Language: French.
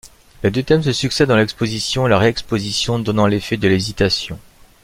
Les deux thèmes se succèdent dans l'exposition et la réexposition, donnant l'effet de l'hésitation.